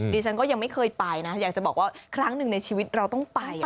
ดิฉันก็ยังไม่เคยไปนะอยากจะบอกว่าครั้งหนึ่งในชีวิตเราต้องไป